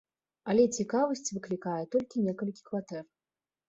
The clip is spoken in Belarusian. Але цікавасць выклікае толькі некалькі кватэр.